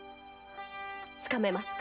つかめますか？